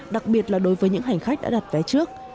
đặc biệt là đối với những hành khách đã đặt vé trước